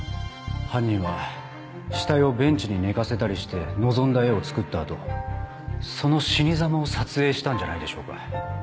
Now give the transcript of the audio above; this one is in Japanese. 犯人は死体をベンチに寝かせたりして望んだ画をつくった後その死にざまを撮影したんじゃないでしょうか。